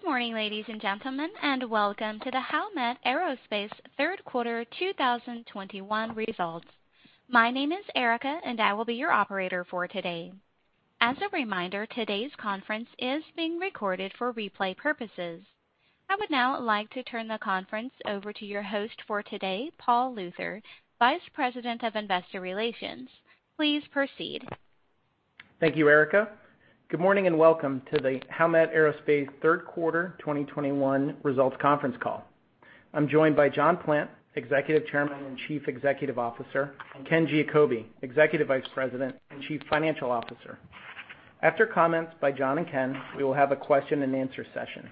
Good morning, ladies and gentlemen, and welcome to the Howmet Aerospace Third Quarter 2021 Results. My name is Erica, and I will be your operator for today. As a reminder, today's conference is being recorded for replay purposes. I would now like to turn the conference over to your host for today, Paul Luther, Vice President of Investor Relations. Please proceed. Thank you, Erica. Good morning and welcome to the Howmet Aerospace third quarter 2021 results conference call. I'm joined by John Plant, Executive Chairman and Chief Executive Officer, and Ken Giacobbe, Executive Vice President and Chief Financial Officer. After comments by John and Ken, we will have a question-and-answer session.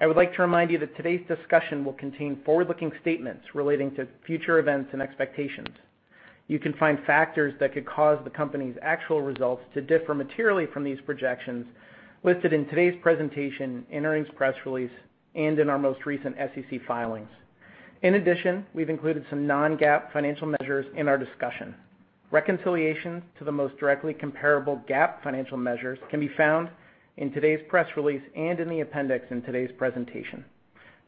I would like to remind you that today's discussion will contain forward-looking statements relating to future events and expectations. You can find factors that could cause the company's actual results to differ materially from these projections listed in today's presentation, in earnings press release, and in our most recent SEC filings. In addition, we've included some non-GAAP financial measures in our discussion. Reconciliation to the most directly comparable GAAP financial measures can be found in today's press release and in the appendix in today's presentation.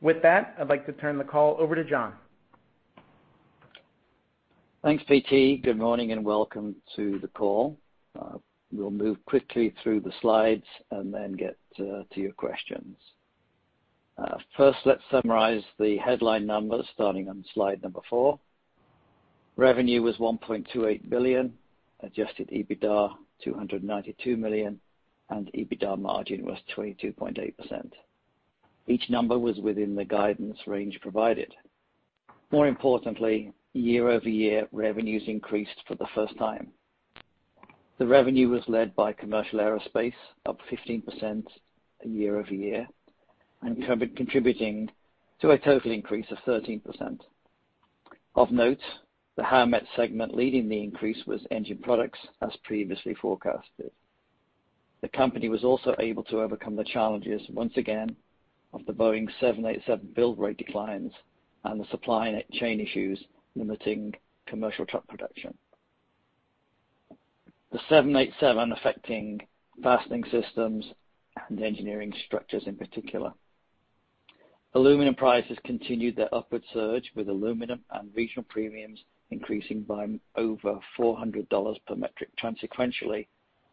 With that, I'd like to turn the call over to John. Thanks, PT. Good morning and welcome to the call. We'll move quickly through the slides and then get to your questions. First, let's summarize the headline numbers starting on slide four. Revenue was $1.28 billion, adjusted EBITDA $292 million, and EBITDA margin was 22.8%. Each number was within the guidance range provided. More importantly, year-over-year revenues increased for the first time. The revenue was led by Commercial Aerospace, up 15% year-over-year, and contributing to a total increase of 13%. Of note, the Howmet segment leading the increase was Engine Products, as previously forecasted. The company was also able to overcome the challenges once again of the Boeing 787 build rate declines and the supply chain issues limiting commercial truck production. The 787 affecting Fastening Systems and Engineered Structures in particular. Aluminum prices continued their upward surge, with aluminum and regional premiums increasing by over $400 per metric ton sequentially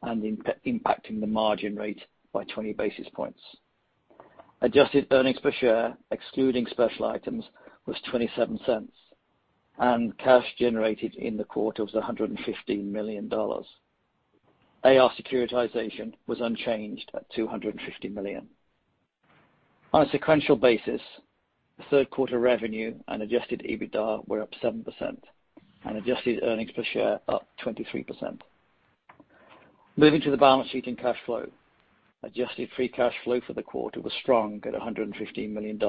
and impacting the margin rate by 20 basis points. Adjusted earnings per share, excluding special items, was $0.27, and cash generated in the quarter was $115 million. AR securitization was unchanged at $250 million. On a sequential basis, third quarter revenue and adjusted EBITDA were up 7%, and adjusted earnings per share up 23%. Moving to the balance sheet and cash flow. Adjusted free cash flow for the quarter was strong at $115 million,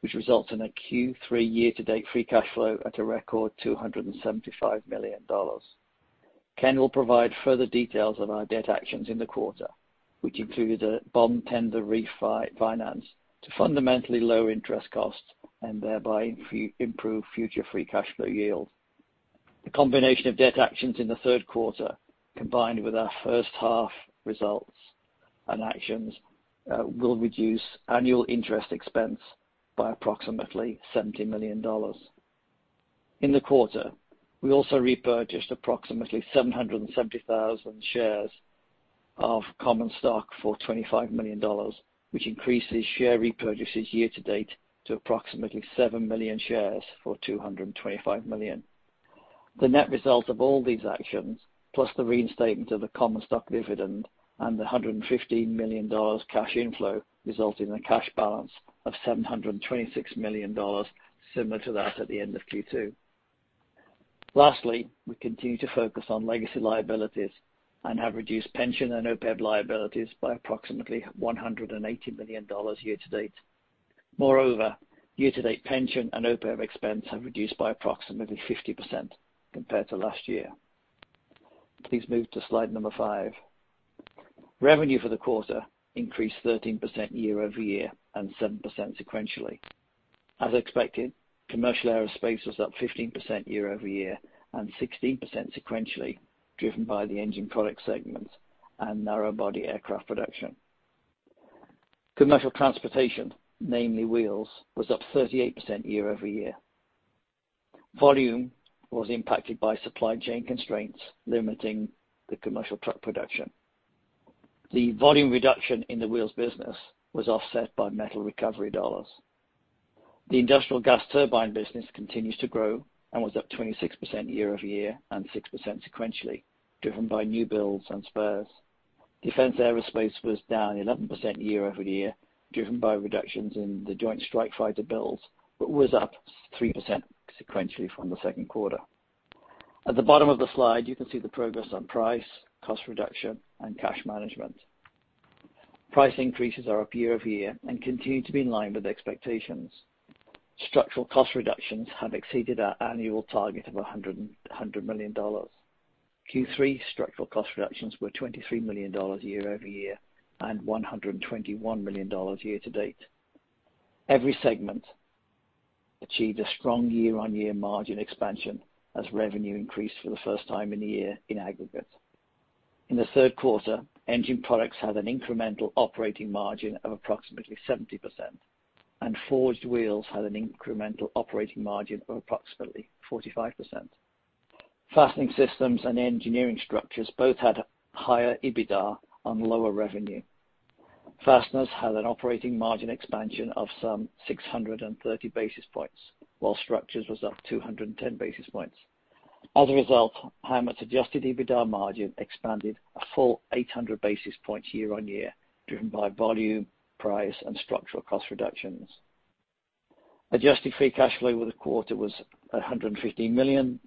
which results in a Q3 year-to-date free cash flow at a record $275 million. Ken will provide further details on our debt actions in the quarter, which included a bond tender refinance to fundamentally low interest costs and thereby improve future free cash flow yield. The combination of debt actions in the third quarter, combined with our first half results and actions, will reduce annual interest expense by approximately $70 million. In the quarter, we also repurchased approximately 770,000 shares of common stock for $25 million, which increases share repurchases year-to-date to approximately 7 million shares for $225 million. The net result of all these actions, plus the reinstatement of the common stock dividend and the $115 million cash inflow, result in a cash balance of $726 million, similar to that at the end of Q2. Lastly, we continue to focus on legacy liabilities and have reduced pension and OPEB liabilities by approximately $180 million year-to-date. Moreover, year-to-date pension and OPEB expense have reduced by approximately 50% compared to last year. Please move to slide five. Revenue for the quarter increased 13% year-over-year and 7% sequentially. As expected, Commercial Aerospace was up 15% year-over-year and 16% sequentially, driven by the Engine Products segment and narrow-body aircraft production. Commercial Transportation, namely Wheels, was up 38% year-over-year. Volume was impacted by supply chain constraints limiting the commercial truck production. The volume reduction in the Wheels business was offset by metal recovery dollars. The industrial gas turbine business continues to grow and was up 26% year-over-year and 6% sequentially, driven by new builds and spares. Defense Aerospace was down 11% year-over-year, driven by reductions in the Joint Strike Fighter builds, but was up 3% sequentially from the second quarter. At the bottom of the slide, you can see the progress on price, cost reduction, and cash management. Price increases are up year-over-year and continue to be in line with expectations. Structural cost reductions have exceeded our annual target of $100 million. Q3 structural cost reductions were $23 million year-over-year and $121 million year-to-date. Every segment achieved a strong year-on-year margin expansion as revenue increased for the first time in a year in aggregate. In the third quarter, Engine Products had an incremental operating margin of approximately 70%, and Forged Wheels had an incremental operating margin of approximately 45%. Fastening Systems and Engineered Structures both had higher EBITDA on lower revenue. Fasteners had an operating margin expansion of some 630 basis points, while structures was up 210 basis points. As a result, Howmet's adjusted EBITDA margin expanded a full 800 basis points year-over-year, driven by volume, price, and structural cost reductions. Adjusted free cash flow for the quarter was $150 million,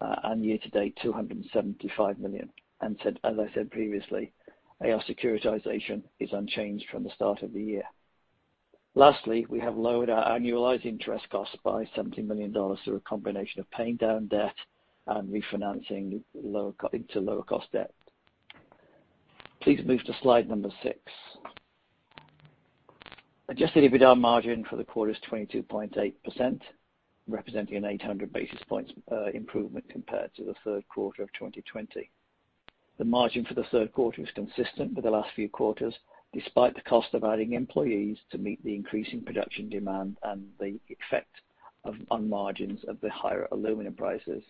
and year-to-date, $275 million. As I said previously, our securitization is unchanged from the start of the year. Lastly, we have lowered our annualized interest costs by $70 million through a combination of paying down debt and refinancing into lower cost debt. Please move to slide number six. Adjusted EBITDA margin for the quarter is 22.8%, representing an 800 basis points improvement compared to the third quarter of 2020. The margin for the third quarter is consistent with the last few quarters, despite the cost of adding employees to meet the increase in production demand and the effect on margins of the higher aluminum prices.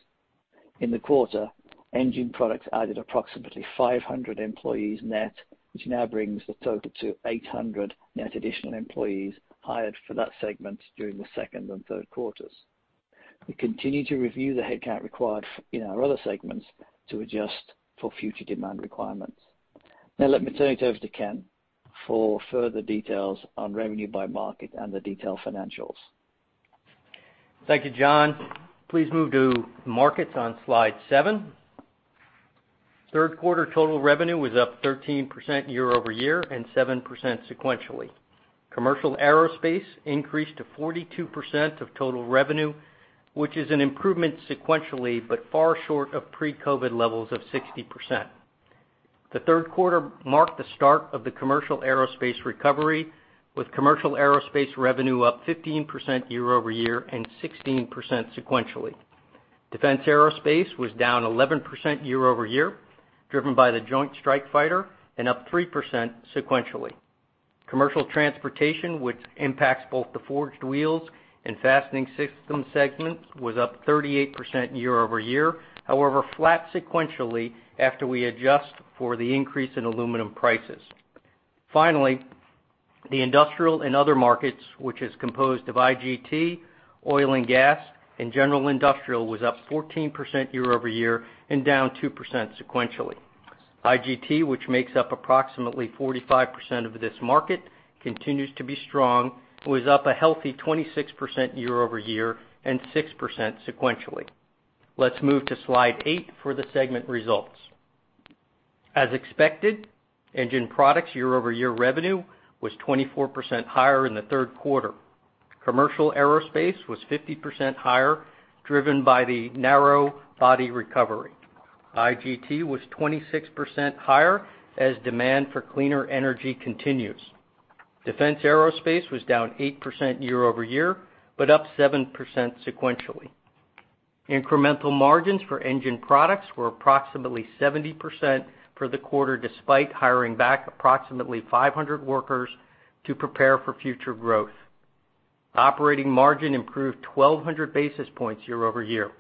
In the quarter, Engine Products added approximately 500 employees net, which now brings the total to 800 net additional employees hired for that segment during the second and third quarters. We continue to review the headcount required in our other segments to adjust for future demand requirements. Now, let me turn it over to Ken for further details on revenue by market and the detailed financials. Thank you, John. Please move to markets on slide seven. Third quarter total revenue was up 13% year-over-year and 7% sequentially. Commercial Aerospace increased to 42% of total revenue, which is an improvement sequentially, but far short of pre-COVID levels of 60%. The third quarter marked the start of the Commercial Aerospace recovery, with Commercial Aerospace revenue up 15% year-over-year and 16% sequentially. Defense Aerospace was down 11% year-over-year, driven by the Joint Strike Fighter and up 3% sequentially. Commercial transportation, which impacts both the Forged Wheels and Fastening Systems segments, was up 38% year-over-year. However, flat sequentially after we adjust for the increase in aluminum prices. Finally, the Industrial and Other Markets, which is composed of IGT, oil and gas, and general industrial, was up 14% year-over-year and down 2% sequentially. IGT, which makes up approximately 45% of this market, continues to be strong and was up a healthy 26% year-over-year and 6% sequentially. Let's move to slide eight for the segment results. As expected, Engine Products year-over-year revenue was 24% higher in the third quarter. Commercial Aerospace was 50% higher, driven by the narrow-body recovery. IGT was 26% higher as demand for cleaner energy continues. Defense Aerospace was down 8% year-over-year, but up 7% sequentially. Incremental margins for Engine Products were approximately 70% for the quarter, despite hiring back approximately 500 workers to prepare for future growth. Operating margin improved 1,200 basis points year-over-year.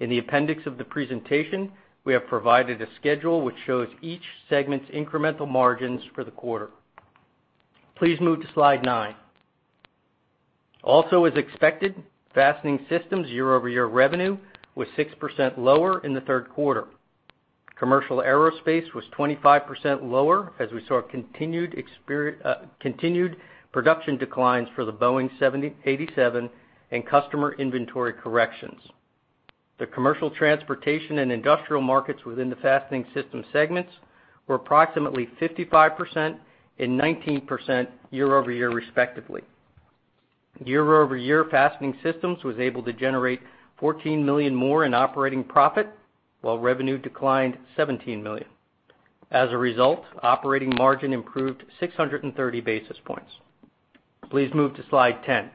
In the appendix of the presentation, we have provided a schedule which shows each segment's incremental margins for the quarter. Please move to slide nine. Also, as expected, Fastening Systems year-over-year revenue was 6% lower in the third quarter. Commercial Aerospace was 25% lower as we saw continued production declines for the Boeing 787 and customer inventory corrections. The commercial transportation and industrial markets within the Fastening Systems segment were approximately 55% and 19% year-over-year, respectively. Year-over-year, Fastening Systems was able to generate $14 million more in operating profit, while revenue declined $17 million. As a result, operating margin improved 630 basis points. Please move to slide 10.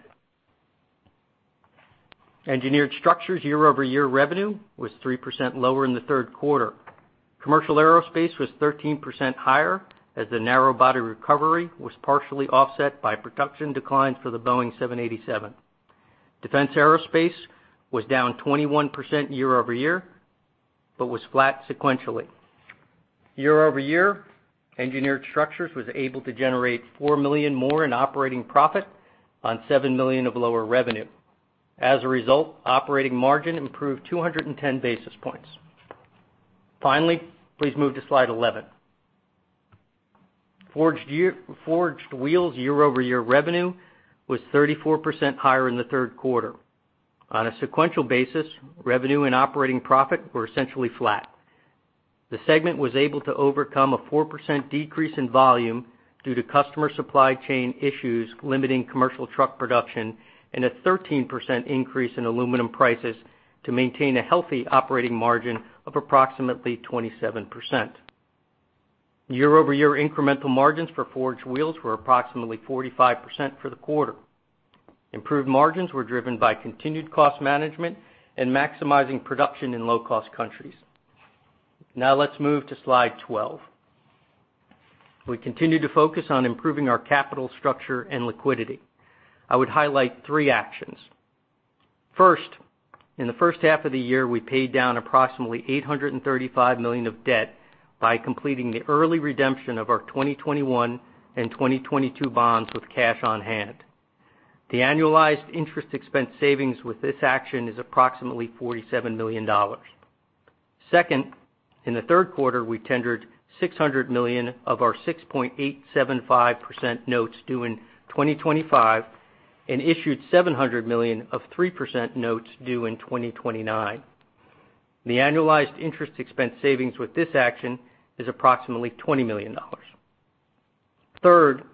Engineered Structures year-over-year revenue was 3% lower in the third quarter. Commercial Aerospace was 13% higher as the narrow-body recovery was partially offset by production declines for the Boeing 787. Defense Aerospace was down 21% year-over-year, but was flat sequentially. Year-over-year, Engineered Structures was able to generate $4 million more in operating profit on $7 million of lower revenue. As a result, operating margin improved 210 basis points. Finally, please move to slide 11. Forged Wheels year-over-year revenue was 34% higher in the third quarter. On a sequential basis, revenue and operating profit were essentially flat. The segment was able to overcome a 4% decrease in volume due to customer supply chain issues limiting commercial truck production and a 13% increase in aluminum prices to maintain a healthy operating margin of approximately 27%. Year-over-year incremental margins for Forged Wheels were approximately 45% for the quarter. Improved margins were driven by continued cost management and maximizing production in low-cost countries. Now let's move to slide 12. We continue to focus on improving our capital structure and liquidity. I would highlight three actions. First, in the first half of the year, we paid down approximately $835 million of debt by completing the early redemption of our 2021 and 2022 bonds with cash on hand. The annualized interest expense savings with this action is approximately $47 million. Second, in the third quarter, we tendered $600 million of our 6.875% notes due in 2025 and issued $700 million of 3% notes due in 2029. The annualized interest expense savings with this action is approximately $20 million. Third,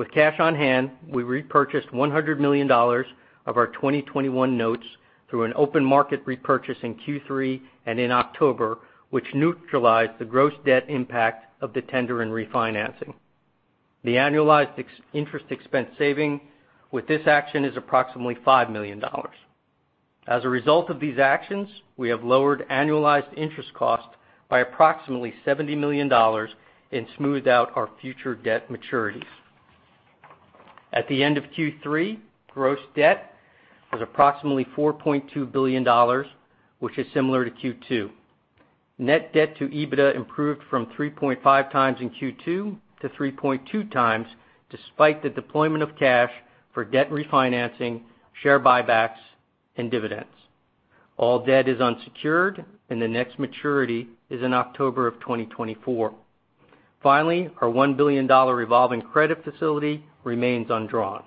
with cash on hand, we repurchased $100 million of our 2021 notes through an open market repurchase in Q3 and in October, which neutralized the gross debt impact of the tender and refinancing. The annualized interest expense saving with this action is approximately $5 million. As a result of these actions, we have lowered annualized interest cost by approximately $70 million and smoothed out our future debt maturities. At the end of Q3, gross debt was approximately $4.2 billion, which is similar to Q2. Net debt to EBITDA improved from 3.5x in Q2 to 3.2x, despite the deployment of cash for debt refinancing, share buybacks, and dividends. All debt is unsecured and the next maturity is in October 2024. Finally, our $1 billion revolving credit facility remains undrawn.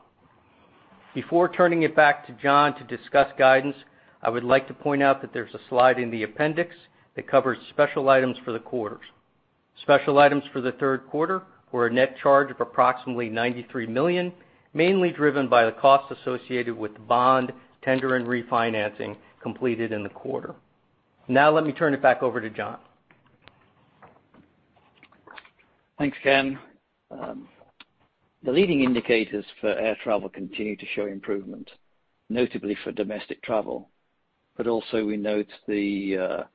Before turning it back to John to discuss guidance, I would like to point out that there's a slide in the appendix that covers special items for the quarters. Special items for the third quarter were a net charge of approximately $93 million, mainly driven by the cost associated with bond tender and refinancing completed in the quarter. Now let me turn it back over to John. Thanks, Ken. The leading indicators for air travel continue to show improvement, notably for domestic travel, but also we note the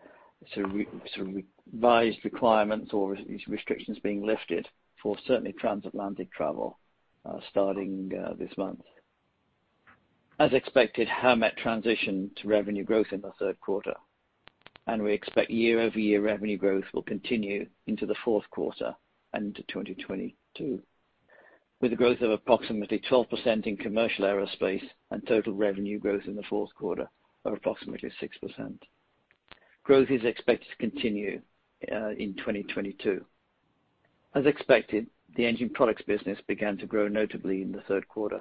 sort of revised requirements or these restrictions being lifted for certainly transatlantic travel, starting this month. As expected, Howmet transitioned to revenue growth in the third quarter, and we expect year-over-year revenue growth will continue into the fourth quarter and into 2022, with a growth of approximately 12% in Commercial Aerospace and total revenue growth in the fourth quarter of approximately 6%. Growth is expected to continue in 2022. As expected, the Engine Products business began to grow notably in the third quarter.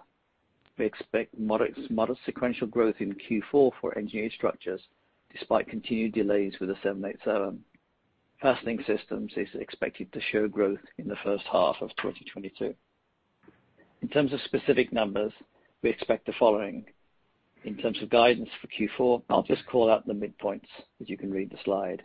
We expect modest sequential growth in Q4 for Engineered Structures, despite continued delays with the 787. Fastening Systems is expected to show growth in the first half of 2022. In terms of specific numbers, we expect the following. In terms of guidance for Q4, I'll just call out the midpoints, as you can read the slide.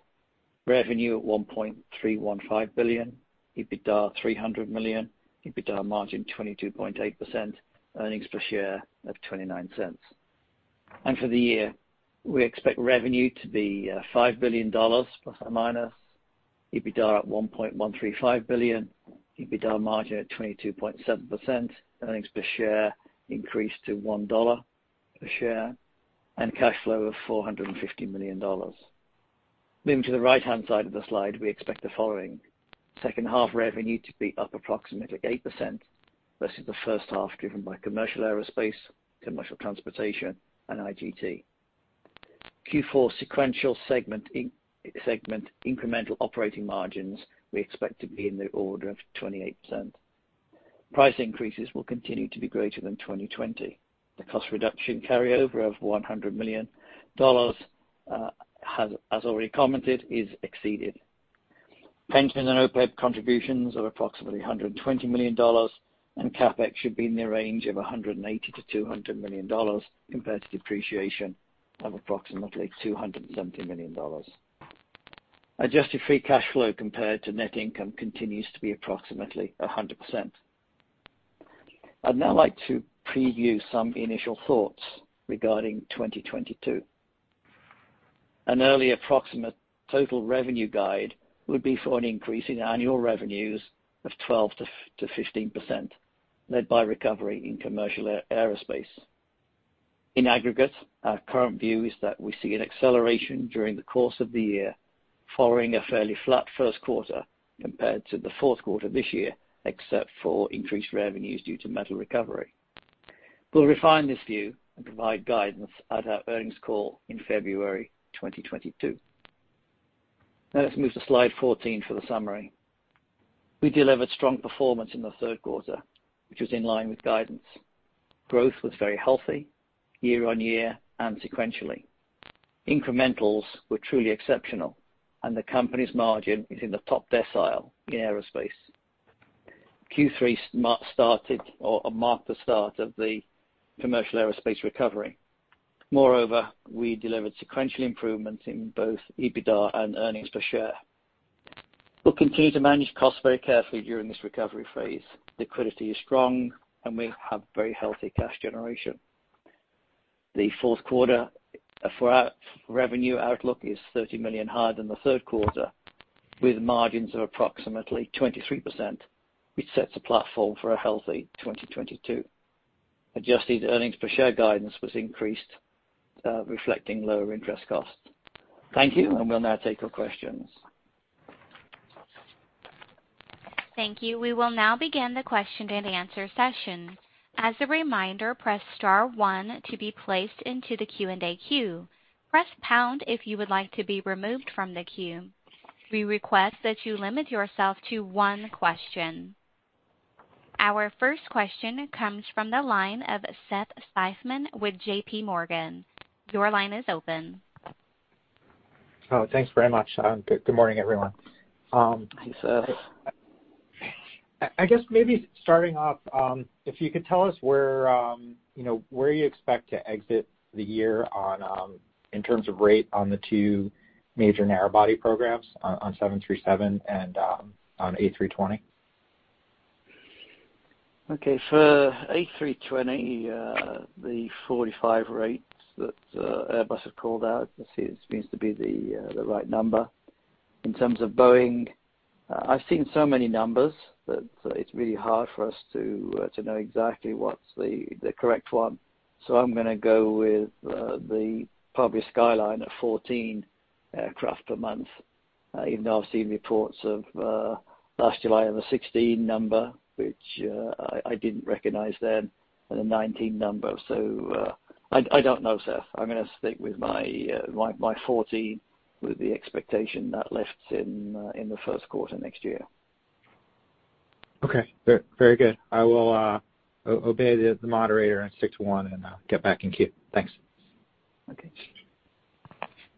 Revenue at $1.315 billion, EBITDA $300 million, EBITDA margin 22.8%, earnings per share of $0.29. For the year, we expect revenue to be $± 5 billion, EBITDA at $1.135 billion, EBITDA margin at 22.7%, earnings per share increase to $1 per share, and cash flow of $450 million. Moving to the right-hand side of the slide, we expect the following. Second half revenue to be up approximately 8% versus the first half, driven by Commercial Aerospace, Commercial Transportation, and IGT. Q4 sequential segment incremental operating margins we expect to be in the order of 28%. Price increases will continue to be greater than 2020. The cost reduction carryover of $100 million has, as already commented, exceeded. Pension and OPEB contributions are approximately $120 million, and CapEx should be in the range of $180 million-$200 million compared to depreciation of approximately $270 million. Adjusted free cash flow compared to net income continues to be approximately 100%. I'd now like to preview some initial thoughts regarding 2022. An early approximate total revenue guide would be for an increase in annual revenues of 12%-15%, led by recovery in Commercial Aerospace. In aggregate, our current view is that we see an acceleration during the course of the year following a fairly flat first quarter compared to the fourth quarter this year, except for increased revenues due to metal recovery. We'll refine this view and provide guidance at our earnings call in February 2022. Now let's move to slide 14 for the summary. We delivered strong performance in the third quarter, which was in line with guidance. Growth was very healthy year-on-year and sequentially. Incrementals were truly exceptional, and the company's margin is in the top decile in aerospace. Q3 marked the start of the Commercial Aerospace recovery. Moreover, we delivered sequential improvements in both EBITDA and earnings per share. We'll continue to manage costs very carefully during this recovery phase. Liquidity is strong, and we have very healthy cash generation. The fourth quarter for our revenue outlook is $30 million higher than the third quarter, with margins of approximately 23%, which sets a platform for a healthy 2022. Adjusted earnings per share guidance was increased, reflecting lower interest costs. Thank you, and we'll now take your questions. Thank you. We will now begin the question-and-answer session. As a reminder, press star one to be placed into the Q&A queue. Press pound if you would like to be removed from the queue. We request that you limit yourself to one question. Our first question comes from the line of Seth Seifman with JPMorgan. Your line is open. Oh, thanks very much. Good morning, everyone. Hi, Seth. I guess maybe starting off, if you could tell us where you know where you expect to exit the year on in terms of rate on the two major narrow-body programs on 737 and on A320. Okay. For A320, the 45 rates that Airbus has called out seems to be the right number. In terms of Boeing, I've seen so many numbers that it's really hard for us to know exactly what's the correct one. I'm going to go with the probably skyline at 14 aircraft per month. Even though I've seen reports of last July of a 16 number, which I didn't recognize then, and a 19 number. I don't know, Seth. I'm going to stick with my 14 with the expectation that lifts in the first quarter next year. Okay. Very, very good. I will obey the moderator and stick to one, and I'll get back in queue. Thanks. Okay.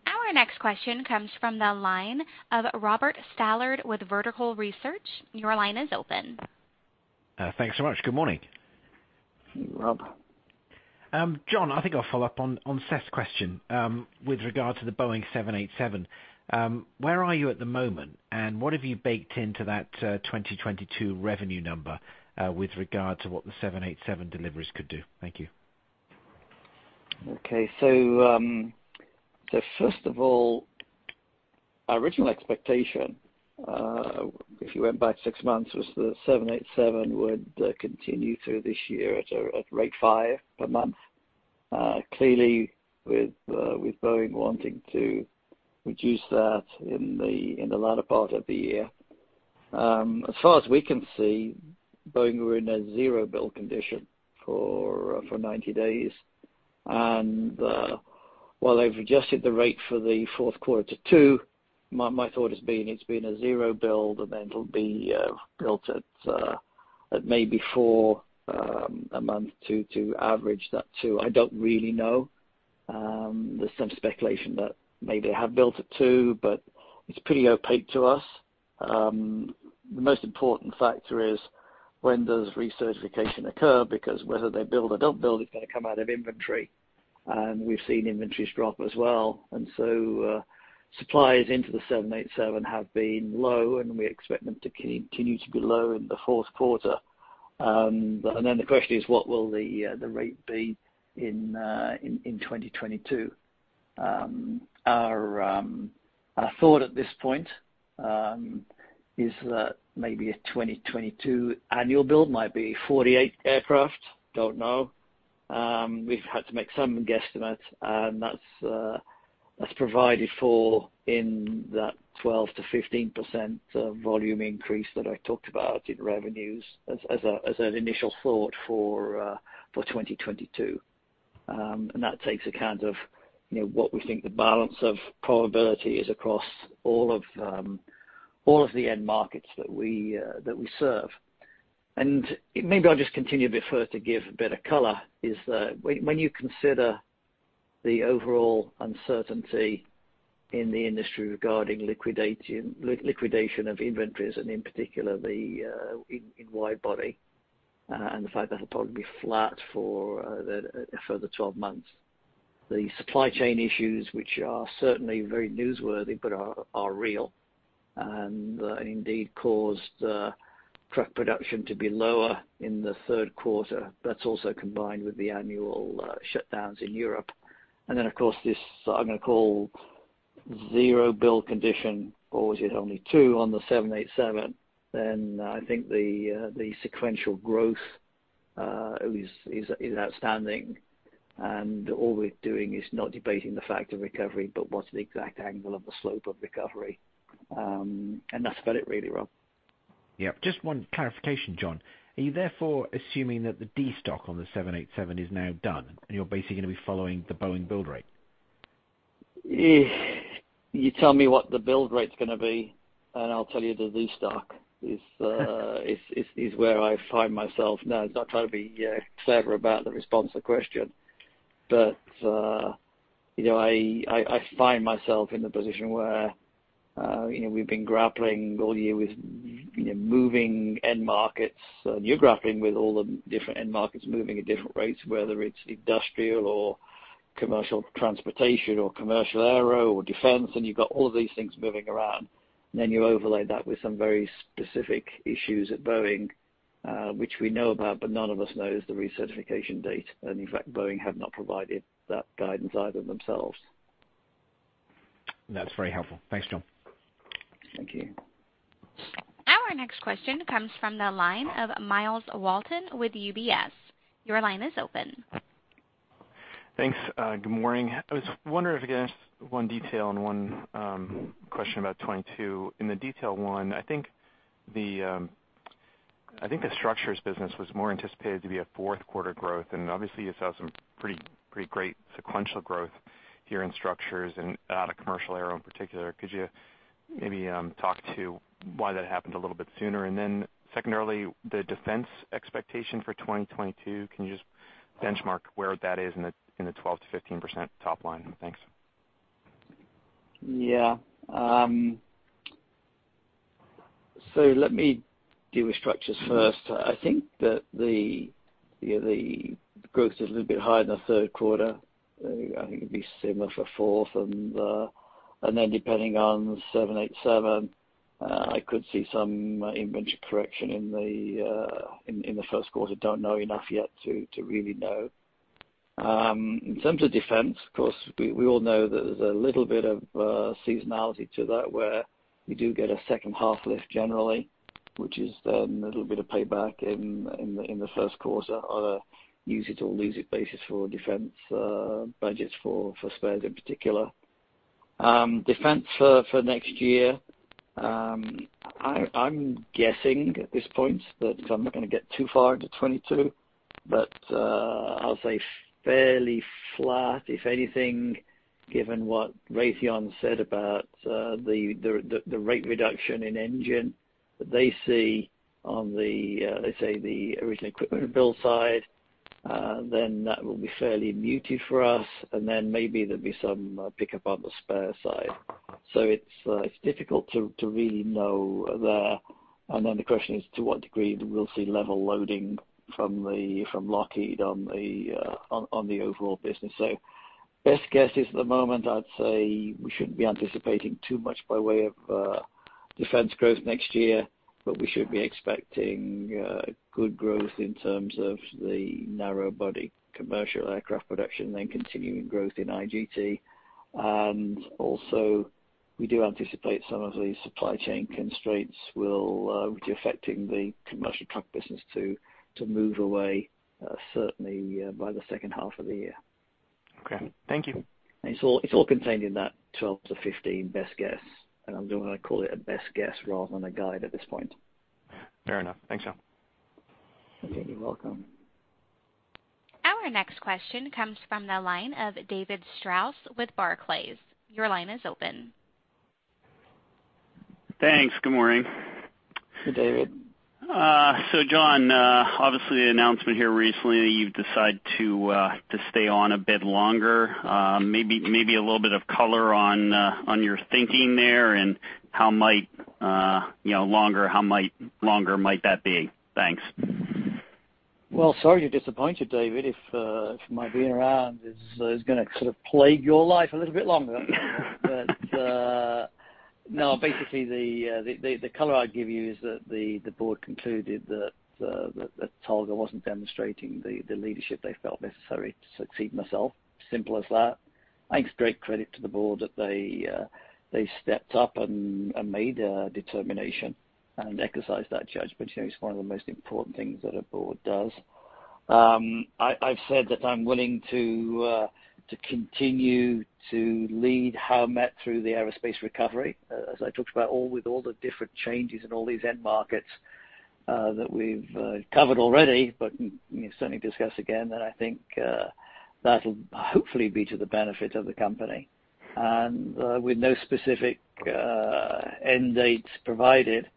Our next question comes from the line of Robert Stallard with Vertical Research. Your line is open. Thanks so much. Good morning. Hi, Rob. John, I think I'll follow up on Seth's question with regard to the Boeing 787. Where are you at the moment, and what have you baked into that 2022 revenue number with regard to what the 787 deliveries could do? Thank you. Okay. First of all, our original expectation, if you went back six months, was the 787 would continue through this year at a rate five per month. Clearly, with Boeing wanting to reduce that in the latter part of the year, as far as we can see, Boeing were in a zero build condition for 90 days. While they've adjusted the rate for the fourth quarter too, my thought has been it's been a zero build and then it'll be built at maybe four a month to average that two. I don't really know. There's some speculation that maybe they have built at two, but it's pretty opaque to us. The most important factor is when does recertification occur? Because whether they build or don't build, it's going to come out of inventory, and we've seen inventories drop as well. Suppliers into the 787 have been low, and we expect them to continue to be low in the fourth quarter. The question is what will the rate be in 2022? Our thought at this point is that maybe a 2022 annual build might be 48 aircraft. Don't know. We've had to make some guesstimates, and that's provided for in that 12%-15% volume increase that I talked about in revenues as an initial thought for 2022. That takes account of, you know, what we think the balance of probability is across all of the end markets that we serve. Maybe I'll just continue a bit further to give a bit of color, that is when you consider the overall uncertainty in the industry regarding liquidation of inventories, and in particular in wide-body, and the fact that they'll probably be flat for the further 12 months. The supply chain issues, which are certainly very newsworthy but are real, and indeed caused truck production to be lower in the third quarter. That's also combined with the annual shutdowns in Europe. Of course, this I'm going to call zero build condition, or was it only two on the 787, then I think the sequential growth is outstanding. All we're doing is not debating the fact of recovery, but what's the exact angle of the slope of recovery. That's about it really, Rob. Yeah. Just one clarification, John. Are you therefore assuming that the destock on the 787 is now done and you're basically going to be following the Boeing build rate? You tell me what the build rate's going to be, and I'll tell you the destock. It's where I find myself. No, it's not trying to be clever about the response to the question. You know, I find myself in the position where you know, we've been grappling all year with you know, moving end markets. You're grappling with all the different end markets moving at different rates, whether it's industrial or commercial transportation or commercial aero or defense, and you've got all of these things moving around. You overlay that with some very specific issues at Boeing, which we know about, but none of us knows the recertification date. In fact, Boeing have not provided that guidance either themselves. That's very helpful. Thanks, John. Thank you. Our next question comes from the line of Myles Walton with UBS. Your line is open. Thanks. Good morning. I was wondering if I could ask one detail and one question about 2022. In the detail one, I think the structures business was more anticipated to be a fourth quarter growth. Obviously you saw some pretty great sequential growth here in structures and out of commercial aero in particular. Could you maybe talk to why that happened a little bit sooner? Secondarily, the defense expectation for 2022, can you just benchmark where that is in the 12%-15% top line? Thanks. Yeah. So let me deal with structures first. I think that the growth is a little bit higher in the third quarter. I think it'd be similar for fourth. Then depending on 787, I could see some inventory correction in the first quarter. Don't know enough yet to really know. In terms of defense, of course, we all know that there's a little bit of seasonality to that, where we do get a second half lift generally, which is then a little bit of payback in the first quarter on a use it or lose it basis for defense budgets for spares in particular. Defense for next year, I'm guessing at this point that I'm not going to get too far into 2022, but I'll say fairly flat, if anything, given what Raytheon said about the rate reduction in engine that they see on the, let's say the original equipment build side, then that will be fairly muted for us. Maybe there'll be some pickup on the spare side. It's difficult to really know there. The question is to what degree we'll see level loading from Lockheed on the overall business. Best guess is at the moment, I'd say we shouldn't be anticipating too much by way of defense growth next year, but we should be expecting good growth in terms of the narrow-body commercial aircraft production, then continuing growth in IGT. We do anticipate some of the supply chain constraints, which are affecting the commercial truck business, will move away certainly by the second half of the year. Okay. Thank you. It's all contained in that 12%-15% best guess, and I'm going to call it a best guess rather than a guide at this point. Fair enough. Thanks, John. Okay, you're welcome. Our next question comes from the line of David Strauss with Barclays. Your line is open. Thanks. Good morning. Hi, David. John, obviously the announcement here recently, you've decided to stay on a bit longer. Maybe a little bit of color on your thinking there and how much longer might that be? Thanks. Well, sorry to disappoint you, David, if my being around is going to sort of plague your life a little bit longer. No, basically the color I'd give you is that the board concluded that Tolga Oal wasn't demonstrating the leadership they felt necessary to succeed myself. Simple as that. I think it's great credit to the Board that they stepped up and made a determination and exercised that judgment. You know, it's one of the most important things that a Board does. I've said that I'm willing to continue to lead Howmet through the aerospace recovery. As I talked about, all, with all the different changes in all these end markets that we've covered already, but we can certainly discuss again, and I think that'll hopefully be to the benefit of the company and with no specific end dates provided.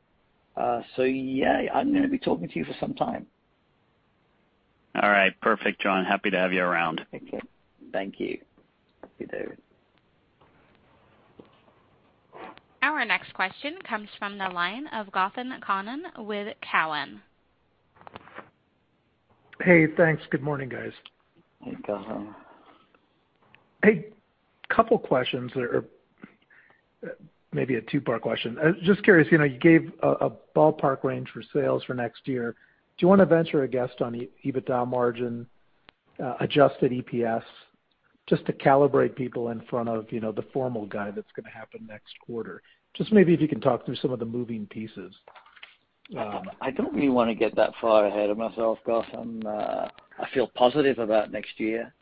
Yeah, I'm going to be talking to you for some time. All right. Perfect, John. Happy to have you around. Okay. Thank you. You too. Our next question comes from the line of Gautam Khanna with Cowen. Hey, thanks. Good morning, guys. Hey, Gautam. Hey, couple questions or maybe a two-part question. Just curious, you know, you gave a ballpark range for sales for next year. Do you want to venture a guess on EBITDA margin, adjusted EPS just to calibrate people in front of, you know, the formal guide that's going to happen next quarter? Just maybe if you can talk through some of the moving pieces. I don't really want to get that far ahead of myself, Gautam. I feel positive about next year.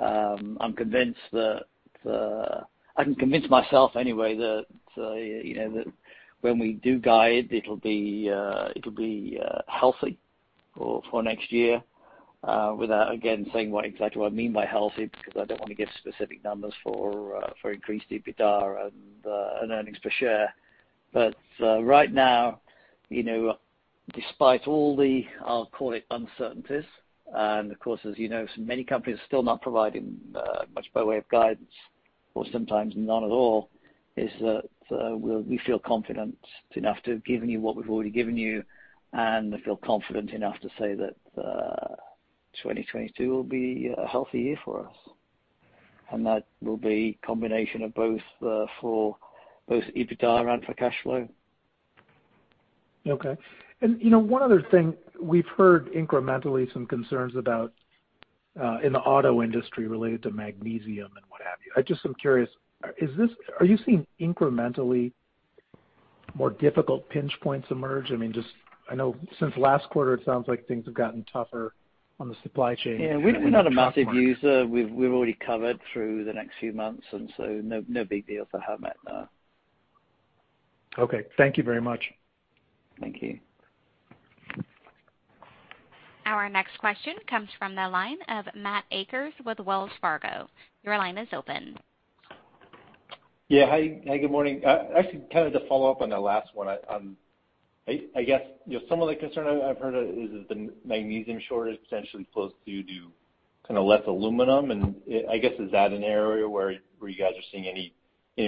I'm convinced that I can convince myself anyway that you know that when we do guide, it'll be healthy for next year without again saying what I mean by healthy because I don't want to give specific numbers for increased EBITDA and earnings per share. Right now, you know. Despite all the, I'll call it uncertainties, and of course, as you know, so many companies are still not providing much by way of guidance or sometimes none at all, we feel confident enough to have given you what we've already given you, and I feel confident enough to say that 2022 will be a healthy year for us. That will be a combination of both, for both EBITDA and for cash flow. Okay. You know, one other thing, we've heard incrementally some concerns about in the auto industry related to magnesium and what have you. I just am curious. Are you seeing incrementally more difficult pinch points emerge? I mean, just I know since last quarter, it sounds like things have gotten tougher on the supply chain. Yeah. We're not a massive user. We're already covered through the next few months, no big deal for Howmet, no. Okay. Thank you very much. Thank you. Our next question comes from the line of Matt Akers with Wells Fargo. Your line is open. Yeah. Hi, hi, good morning. Actually kind of to follow up on the last one. I guess you know some of the concern I've heard of is that the magnesium shortage potentially flows through to kind of less aluminum. I guess is that an area where you guys are seeing any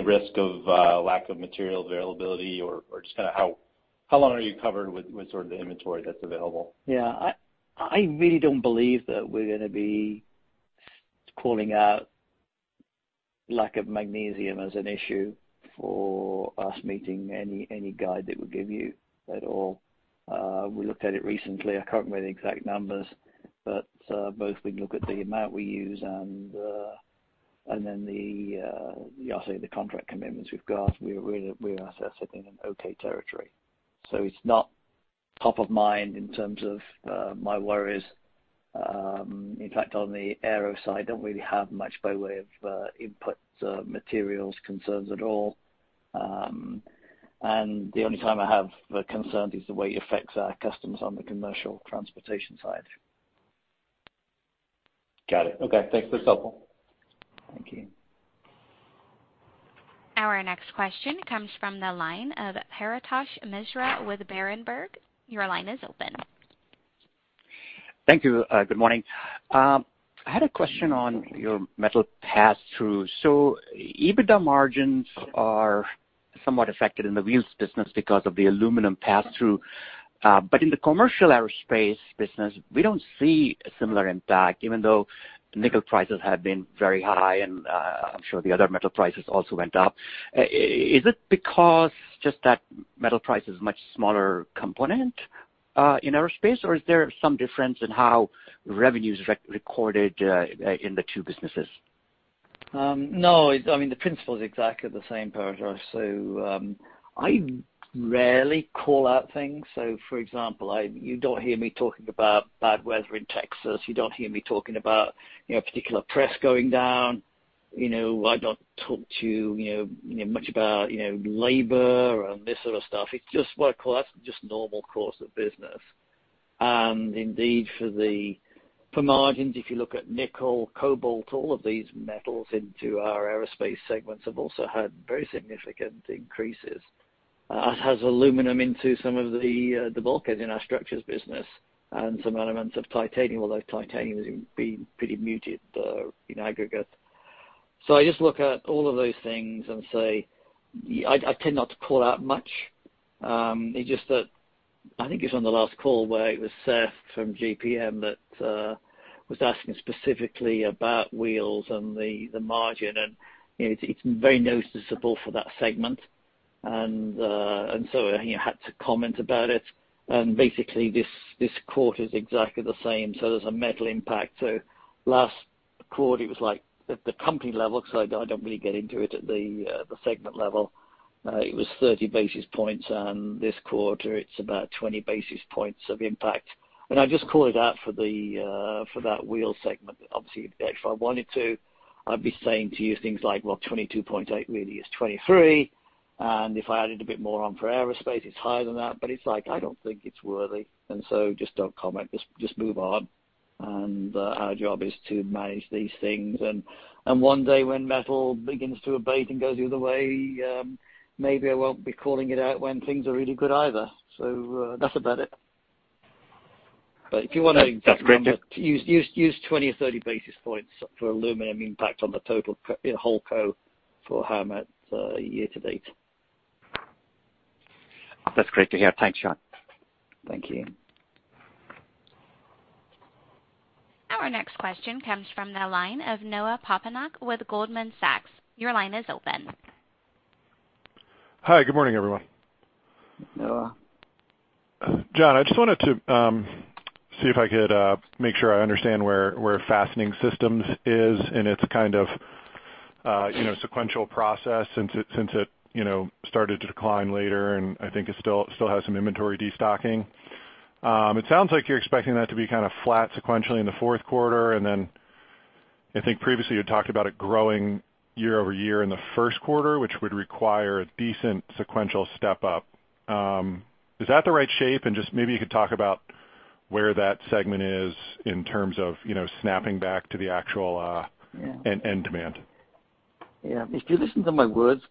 risk of lack of material availability or just kind of how long are you covered with sort of the inventory that's available? Yeah. I really don't believe that we're going to be calling out lack of magnesium as an issue for us meeting any guide that would give you at all. We looked at it recently. I can't remember the exact numbers, but we can look at the amount we use and then the contract commitments we've got. We are sitting in an okay territory. It's not top of mind in terms of my worries. In fact on the aero side, I don't really have much by way of input on materials concerns at all. The only time I have a concern is the way it affects our customers on the commercial transportation side. Got it. Okay. Thanks. That's helpful. Thank you. Our next question comes from the line of Paretosh Misra with Berenberg. Your line is open. Thank you. Good morning. I had a question on your metal pass-through. EBITDA margins are somewhat affected in the wheels business because of the aluminum pass-through. In the Commercial Aerospace business, we don't see a similar impact even though nickel prices have been very high and, I'm sure the other metal prices also went up. Is it because just that metal price is much smaller component in aerospace, or is there some difference in how revenue is recorded in the two businesses? No. I mean, the principle is exactly the same, Paretosh. I rarely call out things. For example, you don't hear me talking about bad weather in Texas. You don't hear me talking about, you know, a particular press going down. You know, I don't talk to you know, much about, you know, labor and this sort of stuff. It's just what I call, that's just normal course of business. Indeed, for margins, if you look at nickel, cobalt, all of these metals into our aerospace segments have also had very significant increases. It has aluminum into some of the bulkheads in our structures business and some elements of titanium, although titanium has been pretty muted, in aggregate. I just look at all of those things and say, I tend not to call out much. It's just that I think it's on the last call where it was Seth from JPM that was asking specifically about Wheels and the margin, and you know, it's very noticeable for that segment. I had to comment about it. Basically this quarter is exactly the same. There's a metal impact. Last quarter, it was like at the company level, because I don't really get into it at the segment level, it was 30 basis points, and this quarter it's about 20 basis points of impact. I just call it out for that wheel segment. Obviously, if I wanted to, I'd be saying to you things like, well, 22.8 really is 23. And if I added a bit more on for aerospace, it's higher than that. It's like, I don't think it's worthy, and so just don't comment. Just move on. Our job is to manage these things. One day when metal begins to abate and goes the other way, maybe I won't be calling it out when things are really good either. That's about it. That's great to hear. If you want to use 20 or 30 basis points for aluminum impact on the total whole cost for Howmet year to date. That's great to hear. Thanks, John. Thank you. Our next question comes from the line of Noah Poponak with Goldman Sachs. Your line is open. Hi. Good morning, everyone. Hi, Noah. John, I just wanted to see if I could make sure I understand where Fastening Systems is in its kind of, you know, sequential process since it started to decline later, and I think it still has some inventory destocking. It sounds like you're expecting that to be kind of flat sequentially in the fourth quarter. Then I think previously you talked about it growing year-over-year in the first quarter, which would require a decent sequential step-up. Is that the right shape? Just maybe you could talk about where that segment is in terms of, you know, snapping back to the actual end demand. Yeah. If you listen to my words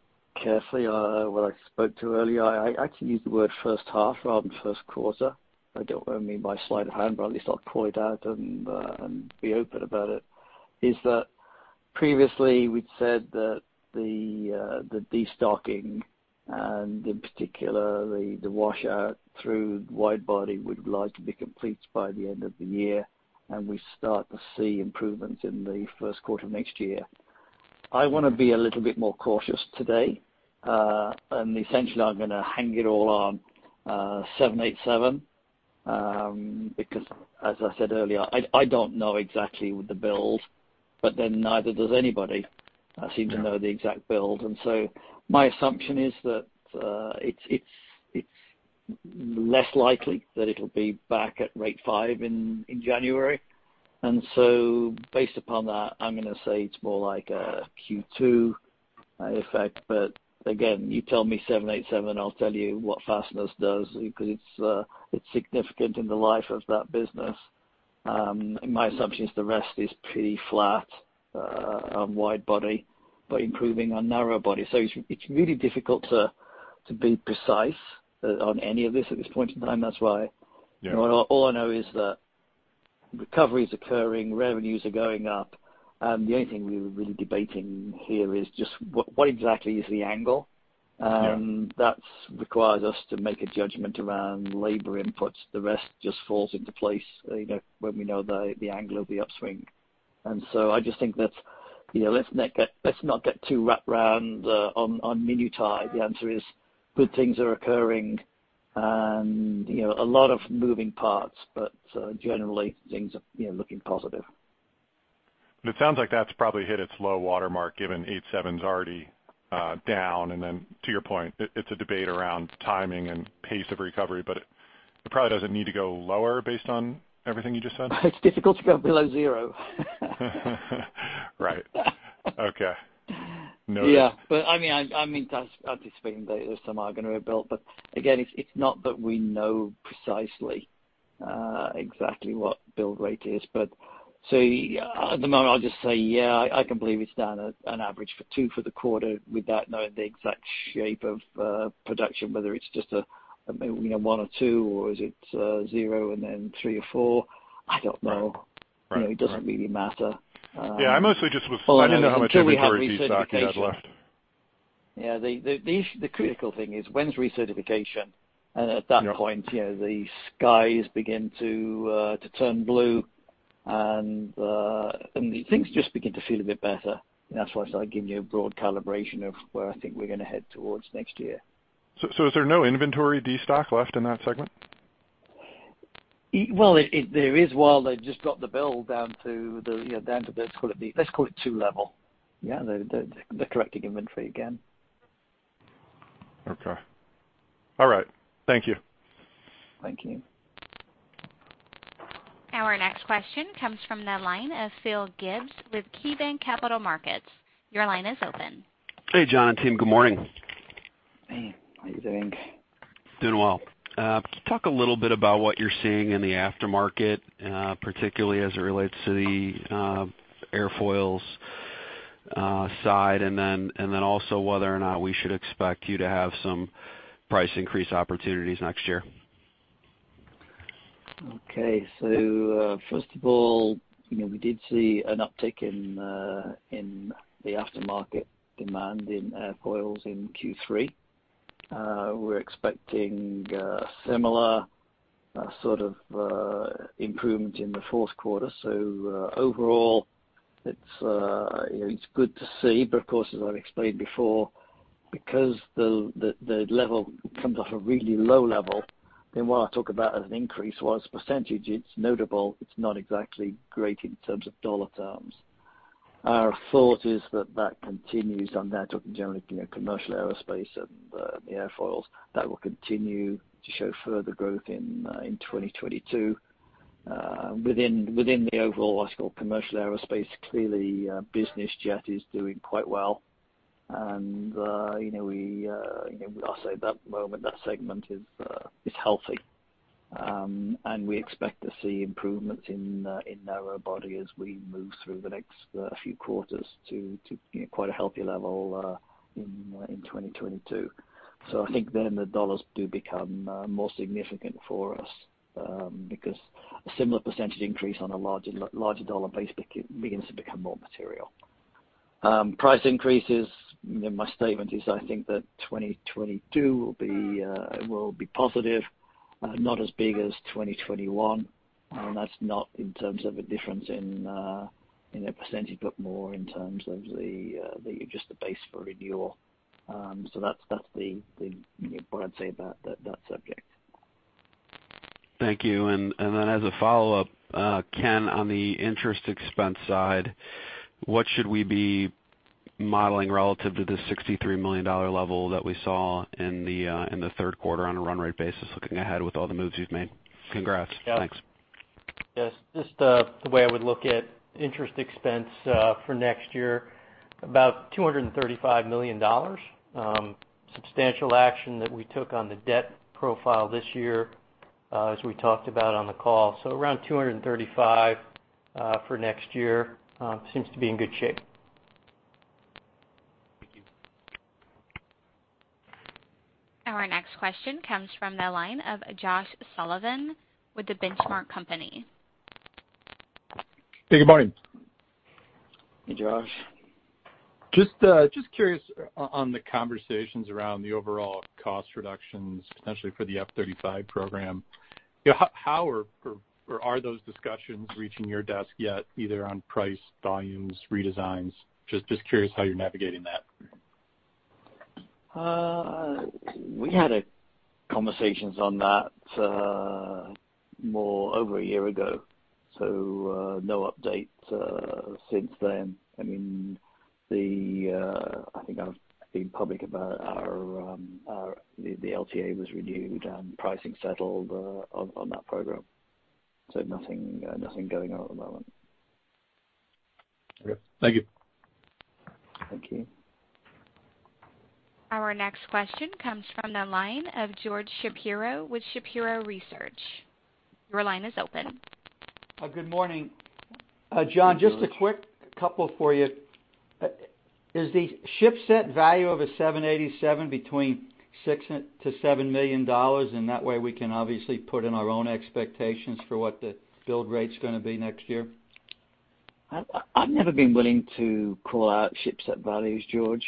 carefully, what I spoke to earlier, I actually used the word first half rather than first quarter. I don't mean by sleight of hand, but at least I'll call it out and be open about it, is that previously we'd said that the destocking and in particular the washout through wide-body we'd like to be complete by the end of the year, and we start to see improvements in the first quarter next year. I want to be a little bit more cautious today. Essentially I'm going to hang it all on 787, because as I said earlier, I don't know exactly with the build, but then neither does anybody seem to know the exact build. My assumption is that it's less likely that it'll be back at rate five in January. Based upon that, I'm going to say it's more like a Q2 effect. Again, you tell me 787, I'll tell you what Fasteners does because it's significant in the life of that business. My assumption is the rest is pretty flat on wide-body, but improving on narrow-body. It's really difficult to be precise on any of this at this point in time. That's why all I know is that recovery is occurring, revenues are going up. The only thing we're really debating here is just what exactly is the angle. That requires us to make a judgment around labor inputs. The rest just falls into place, you know, when we know the angle of the upswing. I just think that's, you know, let's not get too wrapped around on minutiae. The answer is good things are occurring and, you know, a lot of moving parts, but generally things are, you know, looking positive. It sounds like that's probably hit its low watermark given 787s already down. Then to your point, it's a debate around timing and pace of recovery, but it probably doesn't need to go lower based on everything you just said. It's difficult to go below zero. Right. Okay. Noted. Yeah. I mean, that's. I just think that there's some are going to be built, but again, it's not that we know precisely, exactly what build rate is, but so at the moment I'll just say yeah, I can believe it's down at an average of 2 for the quarter without knowing the exact shape of production, whether it's just a, you know, one or two or is it zero and then three or four? I don't know. Right. Right. You know, it doesn't really matter. Yeah, I mostly just was wanting to know how much inventory destock you had left? Well, I mean, until we have recertification. Yeah. The critical thing is when's recertification? Yeah. At that point, you know, the skies begin to turn blue and the things just begin to feel a bit better. That's why I started giving you a broad calibration of where I think we're going to head towards next year. Is there no inventory destock left in that segment? There is. Well, they just got the build down to, you know, two level. Yeah. They're correcting inventory again. Okay. All right. Thank you. Thank you. Our next question comes from the line of Phil Gibbs with KeyBanc Capital Markets. Your line is open. Hey, John, team, good morning. Hey. How are you doing? Doing well. Can you talk a little bit about what you're seeing in the aftermarket, particularly as it relates to the airfoils side, and then also whether or not we should expect you to have some price increase opportunities next year? Okay. First of all, you know, we did see an uptick in the aftermarket demand in airfoils in Q3. We're expecting a similar sort of improvement in the fourth quarter. Overall, it's good to see, but of course, as I've explained before, because the level comes off a really low level, then what I talk about as an increase in percentage, it's notable, it's not exactly great in terms of dollar terms. Our thought is that continues, and I'm talking generally, you know, Commercial Aerospace and the airfoils, that will continue to show further growth in 2022. Within the overall, what I call commercial aerospace, clearly business jet is doing quite well. you know, we you know, I'll say at that moment, that segment is healthy. We expect to see improvements in narrow-body as we move through the next few quarters to you know, quite a healthy level in 2022. I think then the dollars do become more significant for us, because a similar percentage increase on a larger dollar base begins to become more material. Price increases, my statement is I think that 2022 will be positive, not as big as 2021. That's not in terms of a difference in a percentage, but more in terms of just the base for renewal. That's the you know, what I'd say about that subject. Thank you. As a follow-up, Ken, on the interest expense side, what should we be modeling relative to the $63 million level that we saw in the third quarter on a run rate basis looking ahead with all the moves you've made? Congrats. Yeah. Thanks. Yes. Just the way I would look at interest expense for next year, about $235 million. Substantial action that we took on the debt profile this year. As we talked about on the call. Around $235 million for next year seems to be in good shape. Thank you. Our next question comes from the line of Josh Sullivan with The Benchmark Company. Hey, good morning. Hey, Josh. Just curious on the conversations around the overall cost reductions, potentially for the F-35 program. You know, how are those discussions reaching your desk yet, either on price, volumes, redesigns? Just curious how you're navigating that. We had conversations on that more than a year ago, so no update since then. I mean, I think I've been public about our LTA was renewed and pricing settled on that program. Nothing going on at the moment. Okay. Thank you. Thank you. Our next question comes from the line of George Shapiro with Shapiro Research. Your line is open. Good morning. Good morning. John, just a quick couple for you. Is the shipset value of a 787 between $6 million-$7 million, and that way we can obviously put in our own expectations for what the build rate's going to be next year? I've never been willing to call out shipset values, George.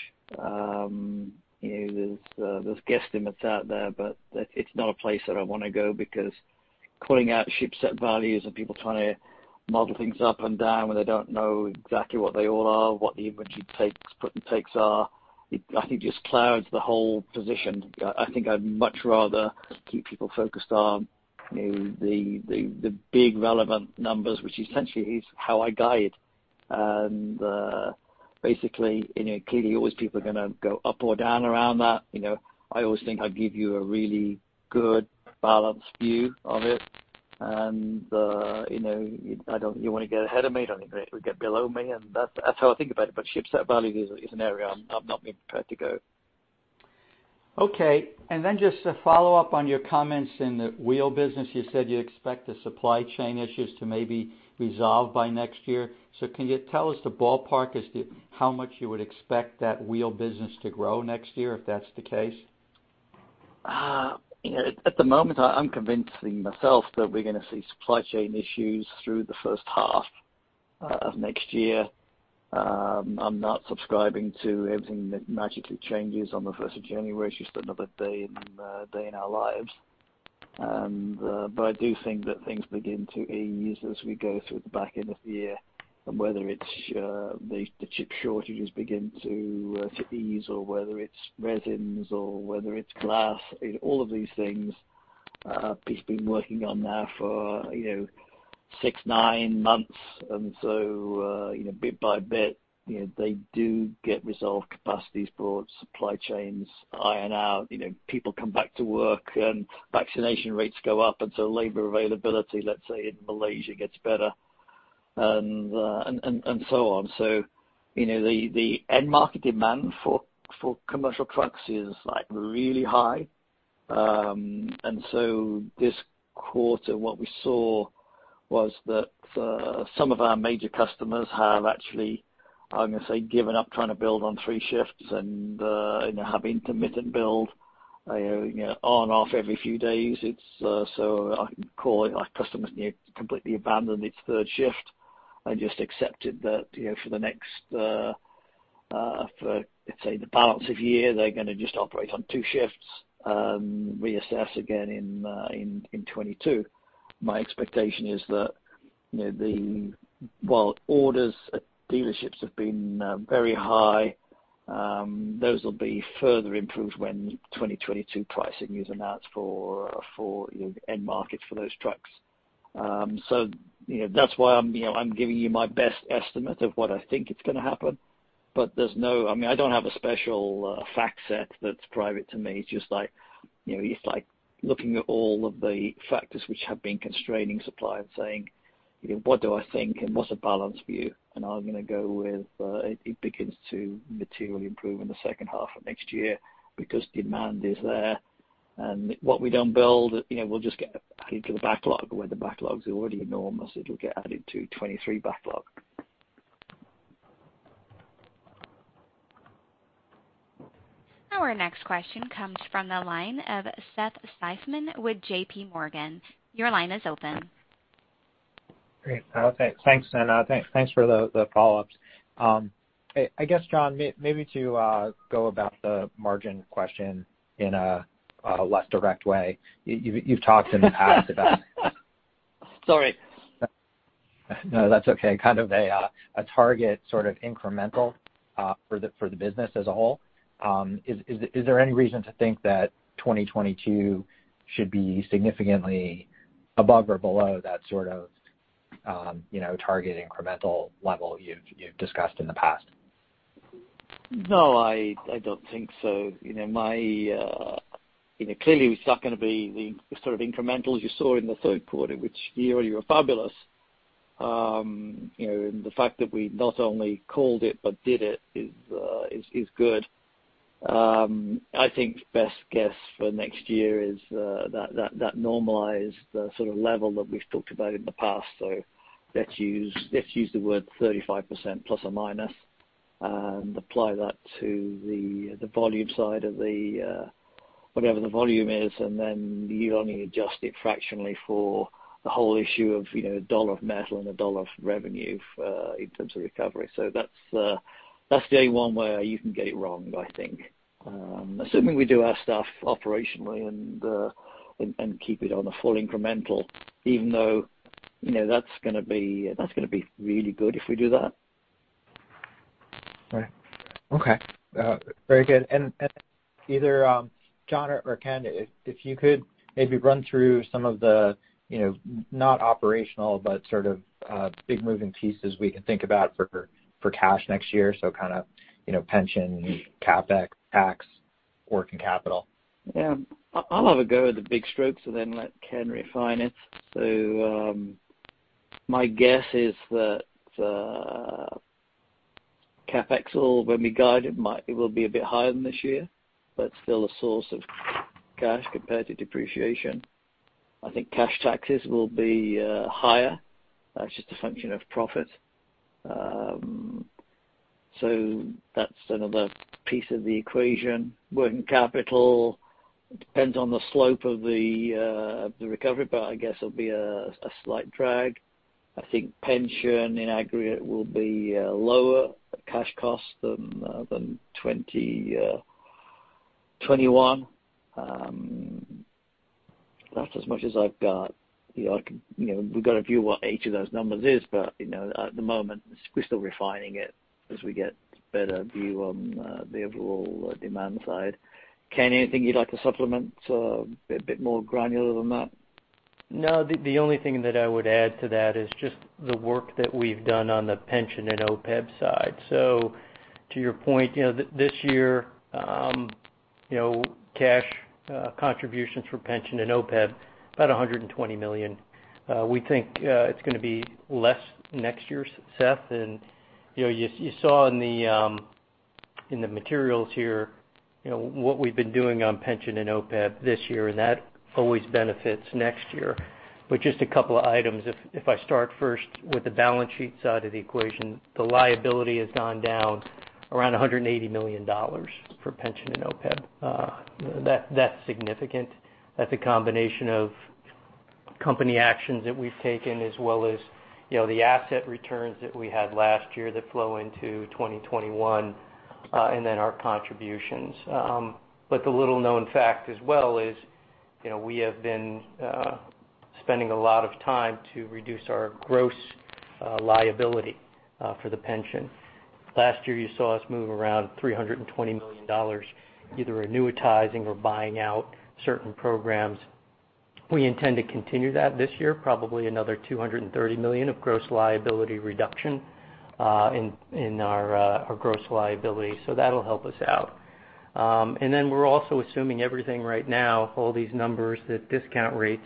You know, there are guesstimates out there, but it's not a place that I want to go because calling out shipset values and people trying to model things up and down when they don't know exactly what they all are, what the inventory takes, gives and takes are, I think just clouds the whole position. I think I'd much rather keep people focused on, you know, the big relevant numbers, which essentially is how I guide. Basically, you know, clearly, always people are going to go up or down around that. You know, I always think I give you a really good balanced view of it. You know, I don't. You want to get ahead of me, I don't even think it would get below me. That's how I think about it. Shipset value is an area I'm not prepared to go. Okay. Then just to follow up on your comments in the wheel business. You said you expect the supply chain issues to maybe resolve by next year. Can you tell us the ballpark as to how much you would expect that Wheel business to grow next year, if that's the case? You know, at the moment, I'm convincing myself that we're going to see supply chain issues through the first half of next year. I'm not subscribing to everything that magically changes on the first of January. It's just another day in our lives. I do think that things begin to ease as we go through the back end of the year, and whether it's the chip shortages begin to ease or whether it's resins or whether it's glass. You know, all of these things, Pete's been working on now for six, nine months. You know, bit by bit, you know, they do get resolved. Capacity is brought, supply chains iron out. You know, people come back to work and vaccination rates go up. Labor availability, let's say, in Malaysia gets better, and so on. You know, the end market demand for commercial trucks is, like, really high. This quarter, what we saw was that some of our major customers have actually, I'm going to say, given up trying to build on three shifts and have intermittent build, you know, on/off every few days. Our customers completely abandoned its third shift and just accepted that, you know, for the next, for, let's say, the balance of year, they're going to just operate on two shifts, reassess again in 2022. My expectation is that, you know, the -- while orders at dealerships have been very high, those will be further improved when 2022 pricing is announced for you know, end markets for those trucks. You know, that's why I'm you know, I'm giving you my best estimate of what I think is going to happen. But I mean, I don't have a special fact set that's private to me. Just like you know, it's like looking at all of the factors which have been constraining supply and saying you know, what do I think and what's a balanced view? I'm going to go with it begins to materially improve in the second half of next year because demand is there. What we don't build you know, we'll just get added to the backlog where the backlogs are already enormous. It'll get added to 2023 backlog. Our next question comes from the line of Seth Seifman with JPMorgan. Your line is open. Great. Thanks for the follow-ups. I guess, John, maybe to go about the margin question in a less direct way. You've talked in the past about- Sorry. No, that's okay. Kind of a target sort of incremental for the business as a whole. Is there any reason to think that 2022 should be significantly above or below that sort of, you know, target incremental level you've discussed in the past? No, I don't think so. You know, clearly, it's not going to be the sort of incrementals you saw in the third quarter, which year-over-year were fabulous. You know, the fact that we not only called it but did it is good. I think best guess for next year is that normalized sort of level that we've talked about in the past. Let's use the word 35% ± and apply that to the volume side of the whatever the volume is, and then you only adjust it fractionally for the whole issue of, you know, $1 of metal and $1 of revenue in terms of recovery. That's the only one where you can get it wrong, I think. Assuming we do our stuff operationally and keep it on a full incremental, even though, you know, that's going to be really good if we do that. Right. Okay. Very good. Either John or Ken, if you could maybe run through some of the, you know, not operational, but sort of, big moving pieces we can think about for cash next year. Kind of, you know, pension, CapEx, tax, working capital. Yeah. I'll have a go at the broad strokes and then let Ken refine it. My guess is that CapEx will, when we guide it will be a bit higher than this year, but still a source of cash compared to depreciation. I think cash taxes will be higher. That's just a function of profit. That's another piece of the equation. Working capital depends on the slope of the recovery, but I guess it'll be a slight drag. I think pension in aggregate will be lower cash cost than 2021. That's as much as I've got. You know, we've got to view what each of those numbers is, but, you know, at the moment we're still refining it as we get a better view on the overall demand side. Ken, anything you'd like to supplement? A bit more granular than that. No, the only thing that I would add to that is just the work that we've done on the pension and OPEB side. So to your point, you know, this year, you know, cash contributions for pension and OPEB, about $120 million. We think it's going to be less next year, Seth. You know, you saw in the materials here, you know, what we've been doing on pension and OPEB this year, and that always benefits next year. Just a couple of items, if I start first with the balance sheet side of the equation, the liability has gone down around $180 million for pension and OPEB. That's significant. That's a combination of company actions that we've taken, as well as, you know, the asset returns that we had last year that flow into 2021, and then our contributions. The little-known fact as well is, you know, we have been spending a lot of time to reduce our gross liability for the pension. Last year, you saw us move around $320 million, either annuitizing or buying out certain programs. We intend to continue that this year, probably another $230 million of gross liability reduction in our gross liability. That'll help us out. We're also assuming everything right now, all these numbers, that discount rates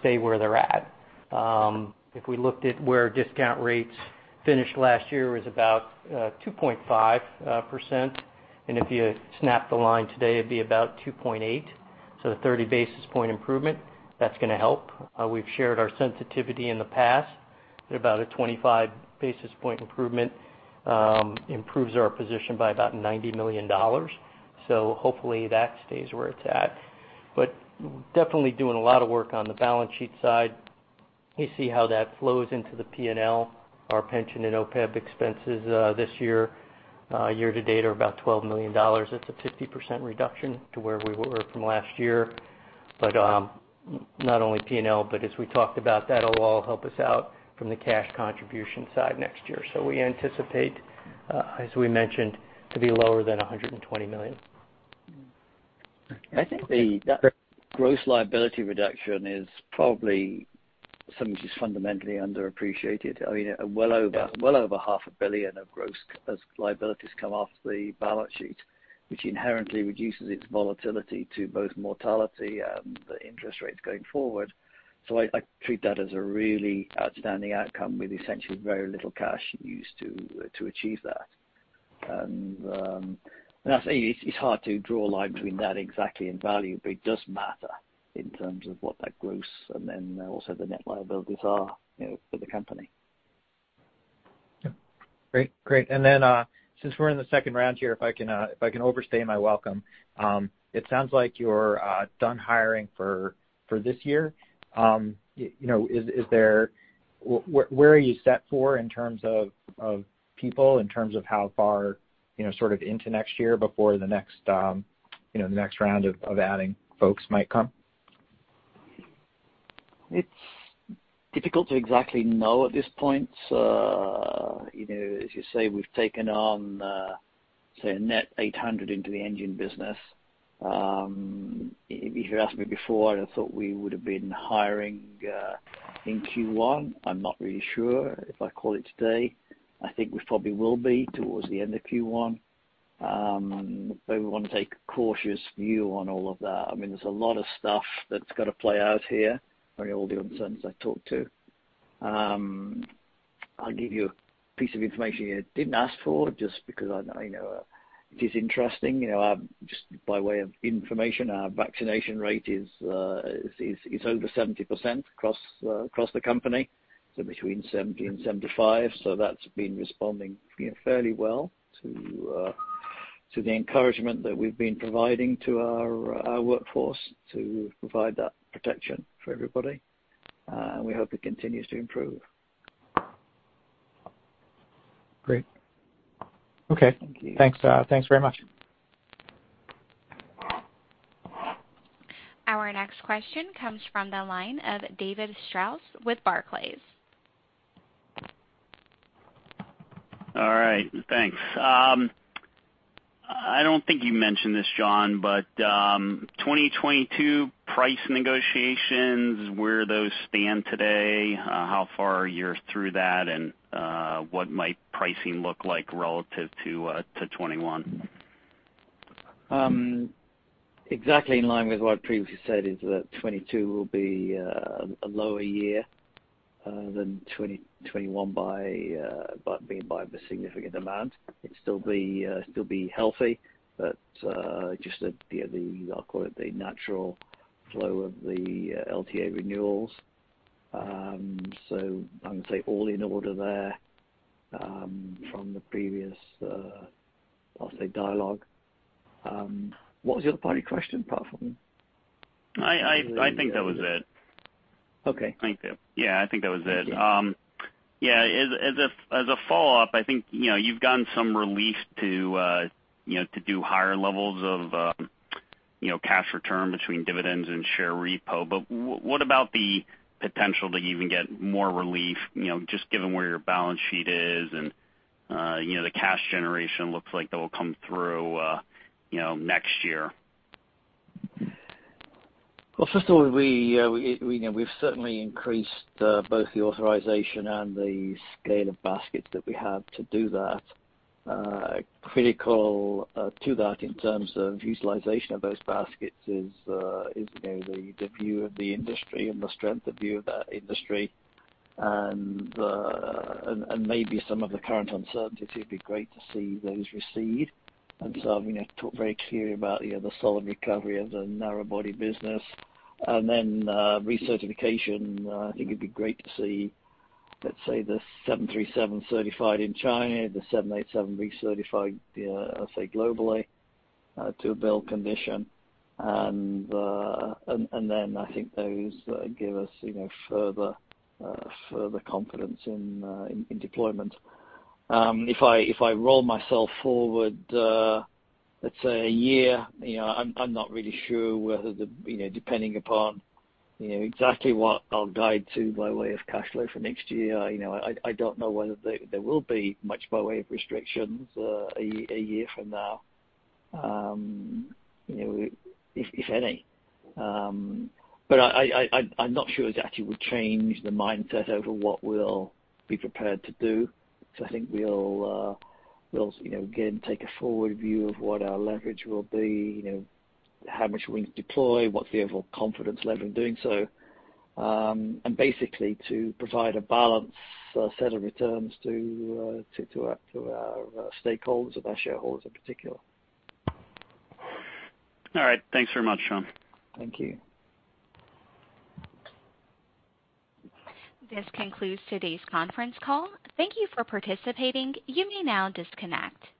stay where they're at. If we looked at where discount rates finished last year was about 2.5%, and if you snap the line today, it'd be about 2.8%. A 30 basis point improvement, that's going to help. We've shared our sensitivity in the past, at about a 25 basis point improvement, improves our position by about $90 million. Hopefully that stays where it's at. Definitely doing a lot of work on the balance sheet side. You see how that flows into the P&L. Our pension and OPEB expenses this year year to date are about $12 million. That's a 50% reduction to where we were from last year. Not only P&L, but as we talked about, that'll all help us out from the cash contribution side next year. We anticipate, as we mentioned, to be lower than $120 million. I think that gross liability reduction is probably something that's fundamentally underappreciated. I mean, well over $500 million of gross liabilities come off the balance sheet, which inherently reduces its volatility to both mortality and the interest rates going forward. I treat that as a really outstanding outcome with essentially very little cash used to achieve that. I say it's hard to draw a line between that exactly and value, but it does matter in terms of what that gross and then also the net liabilities are, you know, for the company. Yeah. Great. Since we're in the second round here, if I can overstay my welcome, it sounds like you're done hiring for this year. You know, where are you set for in terms of people, in terms of how far, you know, sort of into next year before the next round of adding folks might come? It's difficult to exactly know at this point. You know, as you say, we've taken on, say a net 800 into the engine business. If you asked me before, I'd have thought we would have been hiring in Q1. I'm not really sure if I call it today. I think we probably will be towards the end of Q1. But we want to take a cautious view on all of that. I mean, there's a lot of stuff that's got to play out here for all the concerns I talked to. I'll give you a piece of information you didn't ask for just because I know it is interesting. You know, just by way of information, our vaccination rate is over 70% across the company, so between 70% and 75%. That's been responding, you know, fairly well to the encouragement that we've been providing to our workforce to provide that protection for everybody. We hope it continues to improve. Great. Okay. Thank you. Thanks. Thanks very much. Our next question comes from the line of David Strauss with Barclays. All right. Thanks. I don't think you mentioned this, John, but 2022 price negotiations, where those stand today, how far you're through that, and what might pricing look like relative to 2021? Exactly in line with what I previously said is that 2022 will be a lower year than 2021 by the significant amount. It'd still be healthy, but just the I'll call it the natural flow of the LTA renewals. So I would say all in order there from the previous I'll say dialogue. What was your other question apart from? I think that was it. Okay. Thank you. Yeah, I think that was it. Thank you. Yeah, as a follow-up, I think, you know, you've gotten some relief to, you know, to do higher levels of, you know, cash return between dividends and share repo. What about the potential to even get more relief, you know, just given where your balance sheet is and, you know, the cash generation looks like that will come through, you know, next year? Well, first of all, we, you know, we've certainly increased both the authorization and the scale of baskets that we have to do that. Critical to that in terms of utilization of those baskets is, you know, the view of the industry and the strength of view of that industry. Maybe some of the current uncertainty, it'd be great to see those recede. I mean, I've talked very clearly about the other solid recovery of the narrow-body business. Then, recertification, I think it'd be great to see, let's say, the 737 certified in China, the 787 recertified, let's say globally, to a build condition. Then I think those give us, you know, further confidence in deployment. If I roll myself forward, let's say a year, you know, I'm not really sure whether, you know, depending upon, you know, exactly what I'll guide to by way of cash flow for next year. You know, I don't know whether there will be much by way of restrictions, a year from now. You know, if any. I'm not sure it actually would change the mindset over what we'll be prepared to do. I think we'll, you know, again, take a forward view of what our leverage will be, you know, how much we deploy, what's the overall confidence level in doing so, and basically to provide a balanced set of returns to our stakeholders and our shareholders in particular. All right. Thanks very much, John. Thank you. This concludes today's conference call. Thank you for participating. You may now disconnect.